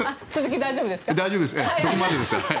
大丈夫です。